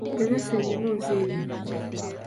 Gezesa ebibuuzo ebyo